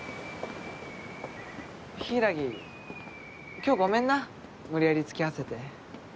今日ごめんな無理やり付き合わせて。